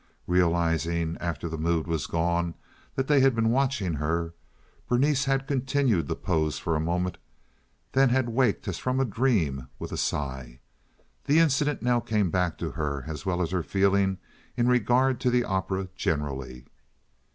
Realizing after the mood was gone that they had been watching her, Berenice had continued the pose for a moment, then had waked as from a dream with a sigh. This incident now came back to her as well as her feeling in regard to the opera generally.